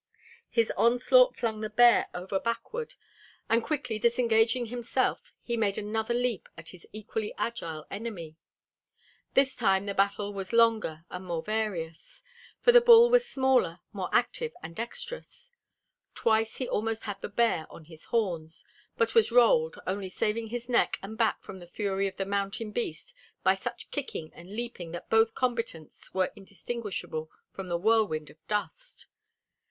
His onslaught flung the bear over backward, and quickly disengaging himself he made another leap at his equally agile enemy. This time the battle was longer and more various, for the bull was smaller, more active and dexterous. Twice he almost had the bear on his horns, but was rolled, only saving his neck and back from the fury of the mountain beast by such kicking and leaping that both combatants were indistinguishable from the whirlwind of dust.